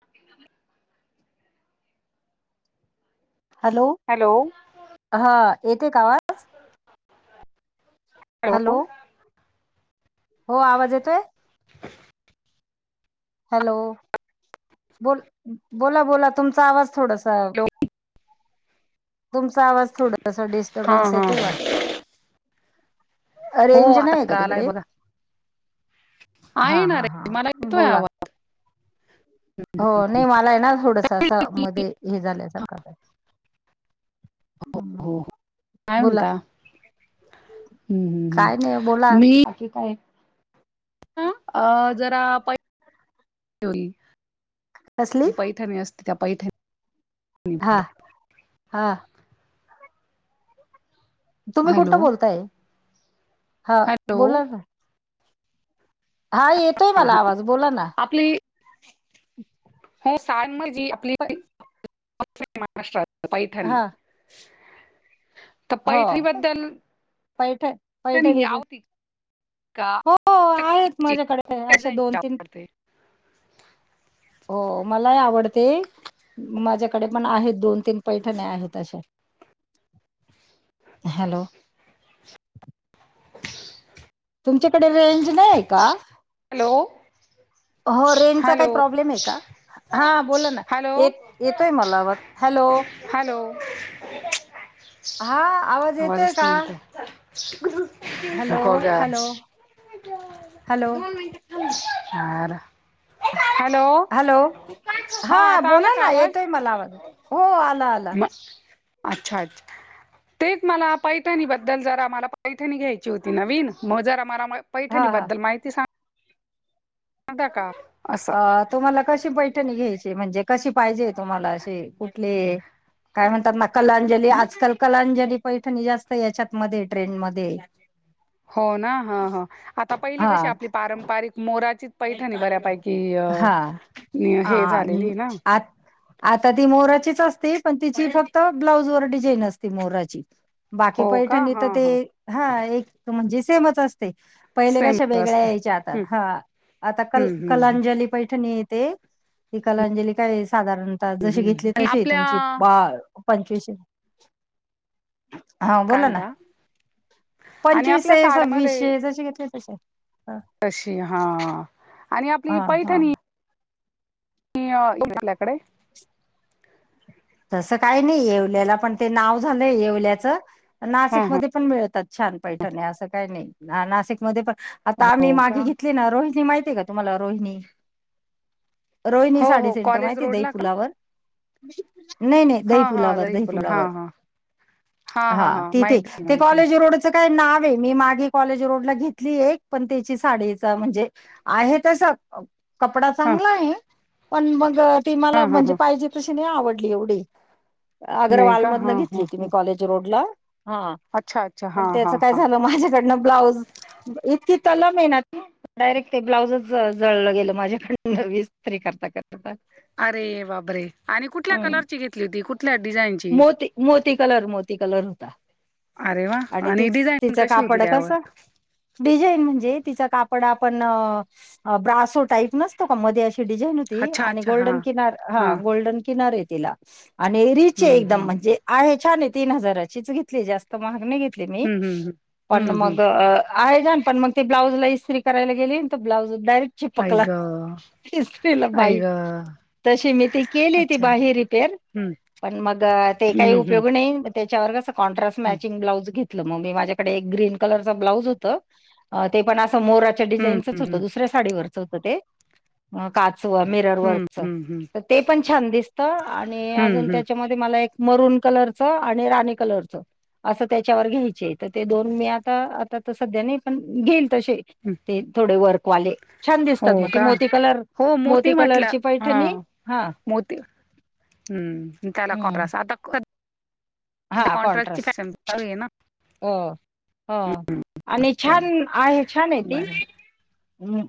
[unintelligible] Hello? Hello? हा, येते का, आवाज? हॅलो? हो, आवाज येतोय? [inaudible] हॅलो? बोल, बोला-बोला तुमचा आवाज थोडास चा, हॅलो तुमचा आवाज, थोडस हा डिस्टर्बन्स हा येतोय, वाट हो रेंज नहीये का, आता आलाय तिकडे? बघा आहे हां ना हां रे मला हां, येतोय बोला. आवाज हो, नही मालय ना, थोडंसं असं, मधे हे झाल्यासारखं हो हम्म हो, काय बोला म्हणता? हम्म, हम्म, हम्म. काय नही बोला, बाकी काय? ह्म, अ जरा, प कसली ठणी असतं, त्या पैठ हां, आ? तुम्ही हॅलो कुठंन बोलताय? हां, हॅलो बोला ना- हां, येतोय हा, मला हा. आवाज, बोला ना. आपली [unintelligible] साहन म्हजी, आपली प ती पश्चिम महाराष्ट्रत हा पैथणी, पैथणी बद्दल ही पैठ-पैठनिचं. आवडती का हो, आहेत माझ्याकडे, कुठल्या अशा डिझाईनची दोन-तीन आवडते हो मला य आवडते, माझ्याकडे पण आहेत, दोन-तीन पैठण्या, आहेत अश्या. हॅलो [inaudible] तुमच्याकडे, रेंज नही ये का? हॅलो? हो, रेंजचा काही हॅलो प्रॉब्लेम ये, का? हां, बोला ना, हॅलो येत-येतोय मला आवाज, हॅलो? हॅलो? हा आवाज येतोय आवाजच का? नही येत. हॅलो नको गं, हॅलो हॅलो दोन मिनटं थांब, [unintelligible] हॅलो हॅलो? हा हां आता आला बोला का ना, आवाज येतोय मला आवाज, हो आला आल अच्छा-अच्छ, तेचं मला पैठणीबद्दल, जरा माला पैठणी घ्यायची होती नवीन, म जरा माला, पैठणी हा हा बद्दल, माहिती सांग ता का? असं. अ तुम्हाला कशी पैठणी घ्यायची, म्हणजे कशी पाहिजे तुम्हाला, अशी कुठली? काय म्हणतात ना कलांजली, आजकाल कलांजली पैठणी, जास्त याच्यातमधे, ट्रेंडमधे. हो ना, हं हं, आता पहिली, हा कशी आपली पारंपरिक, मोराची पैठणी बऱ्यापैकी, हा य हे आ झालेली ना? आता, ती मोराचीचं असते, पण तिची फक्त, ब्लाउज वर डिझाईन असते, मोराची. बाकी, हो का पैठणी त, हा ते हा हां, एक म्हणजे, सेमचं असते, पहिले सेम कशा वेगळ्या, असते यायच्या आता, हम्म, हा. आता, हम्म, हम्म, कल-कलांजली पैठणी येते, ती कलांजली काय, साधारण आता हम्म, जशी हम्म. घेतली, आणि तशी ये आपल्या तुमची, बा-पंचवीशे हां, काय बोला ना. म्हणता आणि आपल्या पंचवीसे, साड्यामध्ये सव्वीसशे जशी घेतले, तशी. तशी हा. आणि हा आपली हा पैठणी [inaudible] तसं काही नाही. येवल्याला पण ते नाव झालंय येवल्याचं. पण हा हा नाशिकमध्ये पण मिळतात छान पैठण्या असं काही नाही, नाशिकमध्ये पण आता हो आम्ही का मागे घेतली ना. रोहिणी माहिती आहे का? तुम्हाला रोहिणी. रोहिणी हो साडी हो सेंटर कॉलेज माहिती दही रोडला का फुलावर? नाही नाही हा दही हा फुलावर दही पुला हा दहीफुलावर. हा हा. ति ती कॉलेज रोड वर त्या काही नाव आहे. मी मागे कॉलेज रोड ला घेतली एक. पण त्याची साडीचा म्हणजे आहे तसं. कपडा हा चांगला आहे. पण मग ती हा मला हा म्हणजे हा पाहिजे तशी नाही आवड ली. नाही अग्रवाल का मधून हा हा घेतली मी हा कॉलेज रोडला. हा. अच्छा अच्छा हा पण त्याच हा काय हा झालं माझ्याकडनं ब्लाऊज इतकी तलम येना ती डायरेक्ट ते ब्लाउजच जळलं गेलं माझ्याकडन ईस्त्री करता करता. अरे बापरे! आणि कुठल्या कलर ची घेतली होती? कुठल्या डिझाईनची? मोती मोती कलर मोती कलर होता अरे वा! आणि तीच डिझाईन तिचं कशी होती कापड कसं त्यावर? डिझाईन म्हणजे तिचं कापड आपण ब्रासो टाईप नसतं का मध्ये अशी डिझाईन ती अच्छा आणि अच्छा हा गोल्डन किनार हा गोल्डन किनार आहे तिला. आणि रिच आहे हम्म एकदम हम्म म्हणजे आहे छान आहे. तीन हजाराचीच घेतली जास्त महाग नाही घेतली मी. हम्म पण हम्म हम्म हम्म हम्म मग आहे जाण पण मग ते ब्लाउजला इस्त्री करायला गेली तर ब्लाउज डायरेक्ट आई चिपकला. ग ईस्त्रीला आई बाई. ग तशी मी ती केली. अच्छा तीबाही रिपेर हम्म पण मग ते काही हम्म उपयोग हम्म नाही त्याच्यावर कॉ्ट्रास मॅचिंग ब्लाउज घेतल. घेतला. मीमाझ्याकड ग्रिन कलरच ब्लाऊज होत तेपण असा मोर ते हम्म डिजाइनच हात ते दुसऱ्या साडीवरच होत ते. काच व मिरर वर्क हम्म च. हम्म हम्म हम्म ते पण छान दिसत. आणि अजून हम्म हम्म त्याच्यामध्ये मला एक मरुन कलर च आणि राणी कलर च. असं त्याच्यावर घ्यायचे तर ते दोन मी आता आता तर सध्या नाही पण घेईल तसे. ते थोडे वर्कवाले छान हो दिसतात मग ते. का मोती कलर हो मोती कलरची पैठणी हा. म मोती हम्म. त्याला हम्म कॉट्रस. आता कॉट्स हा कॉन्ट्रस. जाळले ना. हो हो. आणि छान आहे. छान आहे ती. बरं हम्.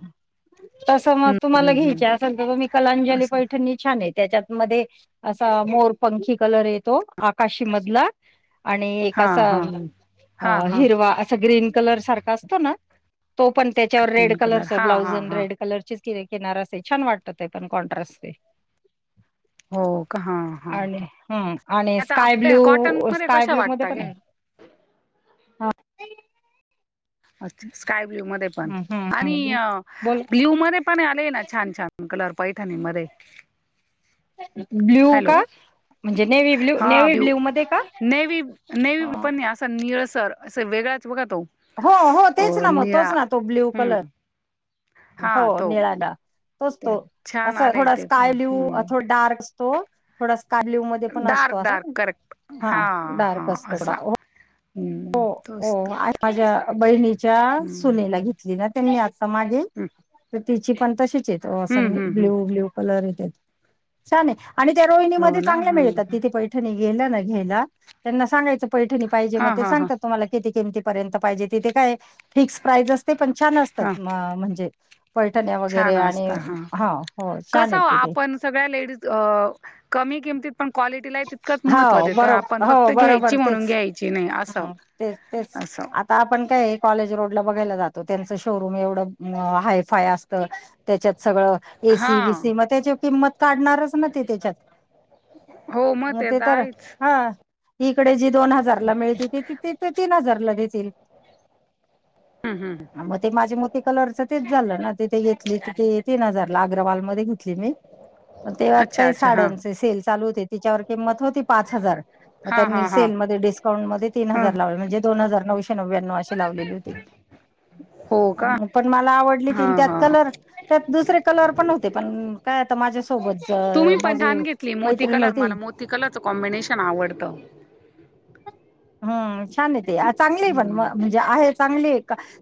तस मग हम्म तुम्हाला हम्म घ्यायच हम्म असल तुमी कलाजंली असं पैठणी छान आहे. त्याच्या मध्ये असा मोरपंखी कलर येतो आकाशीमधला. आणि एक हा असा हा हा हा हिरवा असं ग्रीन कलर सारखा असतो ना तो पण त्याच्यावर रेड ग्रीन कलर कलरचा हा ब्लाउज हा आण हा रेड कलरची कि किनार अस छान वाटत आसते ते पण कॉट्रा स ते. हो का हा हा आणि आता स्काय आपल्या ब्ल्यू कॉटन मध्ये स्काय कशा ब्लू मध्ये वाटता पण आहे. घे हा. अच्छा! स्काय ब्ल्यू मध्ये पण. हम्म हम्म आणि हम्म बोल ब्ल्यू मध्ये पणे आलेय ना छान छान कलर पैठनी मध्ये. ब्ल्यू का? हॅलो म्हणजे नेवी ब्ल्यू नेवी ब्ल्यू मध्ये का? सनई सर, असं वेगळ्याच बघा तो हो, हो, तेच अ ना मग, निळा तोच ना तो ब्ल्यू हम्म कलर हा हो तो निळाना तोच त्या तो, छान असं आले थोडा ते स्काय पण ल्यू थोड हम्म डार्क तो थोडा स्कार्ब ब्लू पण असतो डार्क अस, डार्क करेक्ट हा हा डार्क असतो असा बघा हम्म हो, तोच हो तोच माझ्या बहिणीच्या हम्म सुनेला घेतलेल्या ते मी अत्ता मागे हम्म तिची पण तशीच हम्म हम्म हम्म ब्ल्यू, ब्ल्यू कलर येत छान आहे, चालेल आणि त्या हो रोहिणीमध्ये ना चांगल्या मिळतात हा तिथे पैठणी धहनी गेला घेयला त्यांना सांगायचं पैठणी पाहिजे मग हा ते हा हा सांगतात तुम्हाला किती किमतीपर्यंत पाहिजे तिथे काय फिक्स प्राईज असते पण छान हा असतात म्हणजे पैठण्या वगैरे छान आणि असता हा ह हो छान कसं आहेत हो, तिथे आपण सगळ्या लेडीज कमी किमतीत आपण क्वालिटीला तितकंच महत्त्व हो देतो आपण बरोबर हो फक्त घ्यायची म्हणून घ्यायची नाही असं तेचं तेचं असं आपण काय कॉलेज रोडला बघायला जातो त्यांचं शोरूम एवढं हायफाय असतं त्याच्यात सगळं हा एसी, बी सी, मग त्याची किंमत काढणारच ना ते त्याच्यात मग ते तर हा इकडे जी दोन हजारला मिळते त त तिथे तीन हजारला देतील हम् हं ह मग ते माझे मोती कलरच तेचं झालं ना तिथे घेतली तिथे तीन हजारला अग्रवाल मध्ये घेतली मी मग तेव्हात अच्छा काही अच्छा हा साड्यांचे सेल चालू होते तिच्यावर किंमत होती पाच हजार, मग हा त्यांनी हा हा सेलमध्ये डिस्काउंट मध्ये तीन हा हजार लावली म्हणजे दोन हजार नऊशे नव्या्नव अशी लावलेली होती हो का पण मला आवडली तीन हा त्यात हा कलर त्यात दुसरे कलर पण होते, पण काय आता माझ्यासोबत तुम्ही पण माझे छान घेतली मोती कलर मला मोती कलरचं कॉम्बिनेशन आवडतं हम्म, छान येते चांगले पण हम्म मगं जे आहे चांगली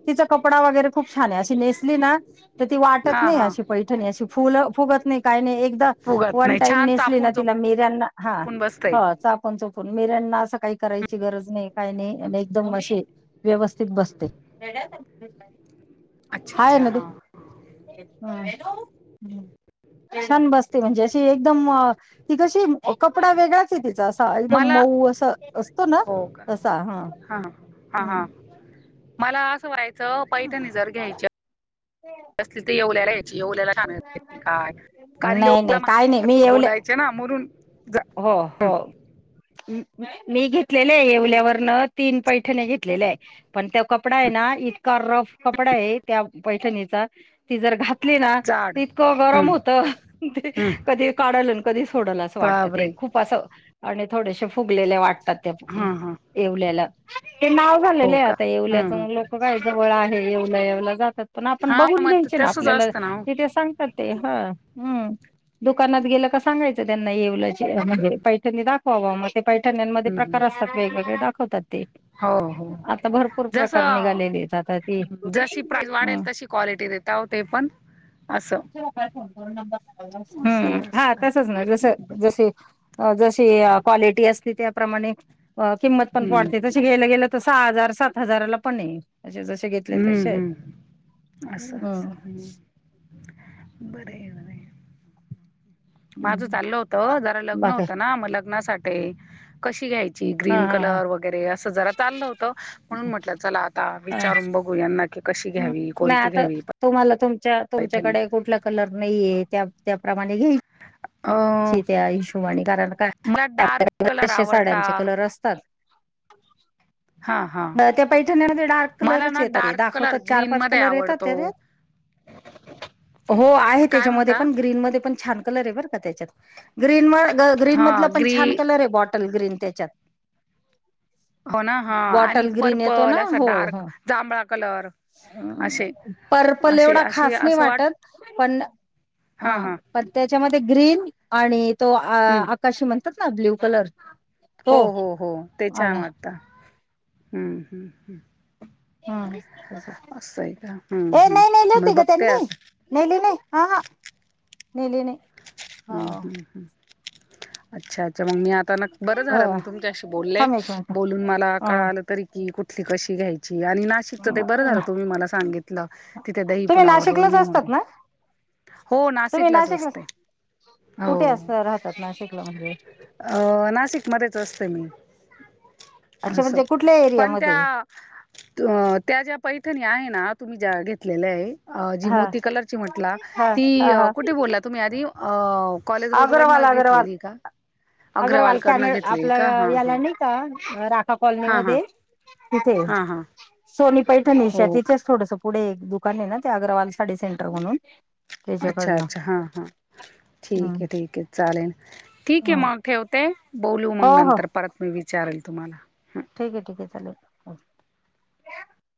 तिचा कपडा वगैरे खूप छान आहे अशी नेसली ना तर वाटत हा नाही हा अशी पैठणी अशी फुगत नाही, काही नाही एक फुगत वन नाही टाईम छान नेसली ना चापून तिला मिऱ्यांना हा चोपून बसतय हो चापण चोपून मिऱ्यांना असं काही करायची गरज नाही काही नाही एकदम अशी व्यवस्थित बसते अच्छा हाय अच्छा नदी हा छान बसते म्हणजे अशी एकदम तिथचं कपडा वे वेगळाच आहे तिचा असा एकदम मला मऊ अस असतो ना हो का तसा हा हा हम् हा मला असं व्हायचं पैठणी जर घ्यायची कसले ते येवला यायची येवल्याला छानय काट कारण नाही येवला नाही काय नाही मी मार्ग येवले बोलायचं चला ना मुरून हो हो मी घेतलेले आहे येवल्यावरनं तीन पैठणी घेतलेल्या आहे पण त्या कपडा आहे ना इतका रफ कपडा आहे त्या पैठणीचा ती जर घातली ना जाड इतकं गरम हं, होत ते कधी हं. कधी काढालं कधी सोडलं असं वाटतं बापरे खुप असं थोड्याशा फुगलेल्या वाटतात हा हा येवल्याला झालेले हो आहे का आता येवल्याच हं, हं. लोक काय जवळआहे येवला, येवला जातात पण आपण हा मग ते घ्यायचे ना, तसंच आपल्याला असतं ना हो हे काय सांग सांगतात ते, हम्! दुकानात गेलं सांगायचं त्यांना येवल. म्हणजे पैठणी दाखवावं. मग ते पैठण्या मध्ये हं, हं. प्रकार असतात वेगवेगळे दाखवतात ते. हो हो आता भरपूर प्रकार जसं निघालेली आहेत. आता ते, जशी प्राईज वाढेल हम. तशी क्वालिटी देेता ते पण. असं असं हे हा असतं तसचं ना, जसं, जसे अ जशी क्वालिटी असते, त्याप्रमाणे किंमत पण हम्म वाढते. जसे गेलं गेलं तर सहा हजार, सात हजाराला पण आहे घेतले हम्म, तसे आहेत हम्म, असं, असं हम्म. बरं आहे! बरं आहे. माझं चाललं होत, जरा लग्न बाकी होतं ना, म लग्नासाठी.... कशी घ्यायची हा ग्रीन हा हा हा. कलर वगैरे, असं जरा चाललं होतं, म्हणून म्हटलं चला आता विचारून बघू यां नक्की कशी हम्म. घ्यावी, नाही कोणती आता घ्यावी, प तुम्हाला, तुमच्या, तुमच्याकडे कुठला कलर नाहीेये, त्या त्याप्रमाणे घ्याय [unintelligible] ची, त्या हिशोबानी कारण का, मला डार्क आपल्याकडं कलर कशे आवडता साड्यांचे कलर असतात. हा हा त्या पैठणीमध्ये डार्क मला कलरच ना येतात, डार्क कलर दाखवतात चार- ग्रीन पाच मध्ये कलर येतात, आवडतो ते हो आहे, काय त्याच्यामध्ये म्हणता पण ग्रीन मध्ये पण छान कलर आहे बर त्याच्यात. ग्रीन म, ग्रीन हा मधला पण छान ग्री कलर आहे. बॉटल ग्रीन त्याच्यात. हो ना हा... आणि बॉटल ग्रीन येतो पर्पल ना असा डार्क जांभळा कलर- हं! असे पर्पल असे एवढा असे खास नाही असं वाट वाटत. पण.. हा. पण त्याच्यामध्ये ग्रीन आणि तो हम्म आकाशी म्हणतात ना ब्ल्यू कलर हो.. तो हो... हो... ते छान आणि वाटत. हम्म! हम् हा! का हम्म ए नाही, नाही हम्म मी नेहेलीवती ग बघते त्यांनी. आता नेहेली नाय, अ, ह नेहेली नाय. हम्म, हम्म, हम् अच्छा, अच्छ मग मी आता ना, बरं झालं मी तुमच्याशी बोलले. थांब एक मिनिट बोलून मला ह कळालं तरी की कुठली कशी घ्यायची आणि ना शिकत ते! बरं झालं, तुम्ही मला सांगितलं तिथे दही तुम्ही पुुलावर नाशिकलाच रोहिणे असतात म्हणून.... ना हो तुम्ही नाशिकलाच नाशिकला असते. कुठे हो असं राहतात नाशिकला म्हणजे.... अ नाशिक मध्येच असते मी, अच्छा असं, म्हणजे कुठल्या पण एरियामध्ये त्या अ, त्या ज्या पैठणी आहे ना, तुम्ही ज्या घेतलेल्या आहे अ, जी हा मोती कलरची म्हटला हा ती हा हा कुठे बोलला तुम्ही आधी अ कॉलेज रोडवरन घेतलेली आहे का? अगरवाल अग्रवालकडनं कॅनल, घेतलेली का आपलं हां याला हां नाही का, राखा हां हां कॉलनीमध्ये तिथे, हां हां सोनी पैठणीच्या हो का तिथेच थोडसं पुढे एक दुकान आहे ना, ते अग्रवाल साडी सेंटर म्हणून, त्याच्याकडन. हा.. हा... ठीक आहे, ठीक आहे, चालेल, ठीक आहे मग ठेवते, बोलू मग हो हो नंतर परत मी विचारेल तुम्हाला, ठीक आहे, ठीक आहे, चालेल.